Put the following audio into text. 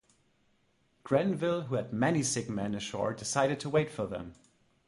Grenville who had many sick men ashore decided to wait for them.